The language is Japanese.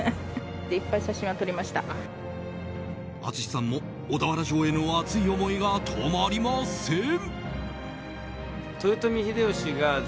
淳さんも小田原城への熱い思いが止まりません。